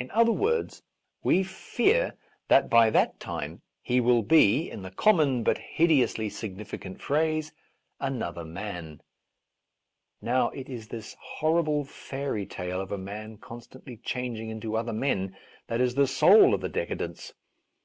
In other words, we fear that by that time he will be, A Defence of Rash Vows in the common but hideously significant phrase, another man. Now, it is this hor rible fairy tale of a man constantly changing into other men that is the soul of the de cadence.